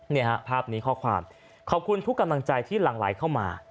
เนี่ยฮะภาพนี้ข้อความขอบคุณทุกกำลังใจที่หลั่งไหลเข้ามา